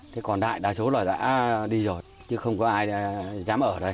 thế còn đại đa số là đã đi rồi chứ không có ai dám ở đây